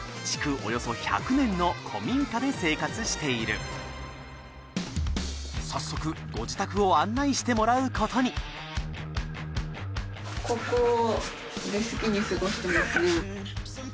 およそ１００年の古民家で生活している早速ご自宅を案内してもらうことにさらに奥にはでここが。